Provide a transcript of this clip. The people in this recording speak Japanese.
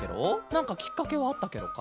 なんかきっかけはあったケロか？